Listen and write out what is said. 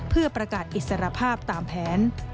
เพื่อประกาศอิสรภาพตามแผน